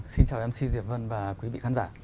xin chào mc diệp vân và quý vị khán giả